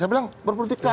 saya bilang berpolitik asik